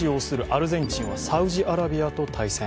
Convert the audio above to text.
アルゼンチンはサウジアラビアと対戦。